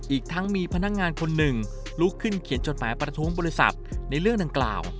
อีกทั้งมีพนักงานคนหนึ่งลุกขึ้นเขียนจดหมายประท้วงบริษัทในเรื่องดังกล่าว